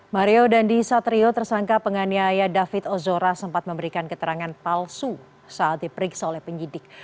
mario dandi satrio tersangka penganiaya david ozora sempat memberikan keterangan palsu saat diperiksa oleh penyidik